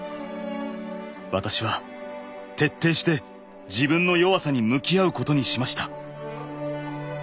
私は徹底して自分の弱さに向き合うことにしました。